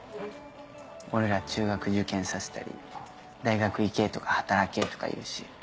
俺ら中学受験させたり「大学行け」とか「働け」とか言うし。